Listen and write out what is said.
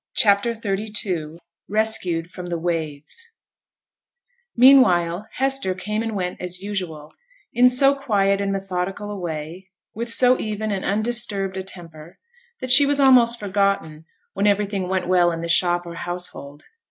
CHAPTER XXXII RESCUED FROM THE WAVES Meanwhile Hester came and went as usual; in so quiet and methodical a way, with so even and undisturbed a temper, that she was almost forgotten when everything went well in the shop or household.